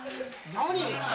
何？